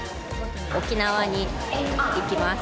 沖縄に行きます。